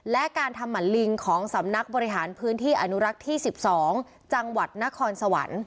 และการทำหมันลิงของสำนักบริหารพื้นที่อนุรักษ์ที่๑๒จังหวัดนครสวรรค์